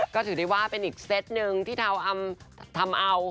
ก็ถือได้ว่าเป็นอีกเซตหนึ่งที่เราทำเอา